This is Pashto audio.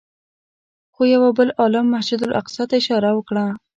خو یوه بل عالم مسجد اقصی ته اشاره وکړه.